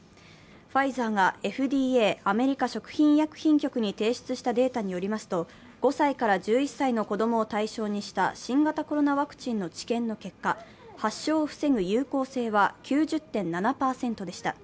ファイザーがＦＤＡ＝食品医薬品局に提出したデータによりますと、５歳から１１歳の子供を対象にした新型コロナワクチンの治験の結果、発症を防ぐ有効性は９０．７％でした。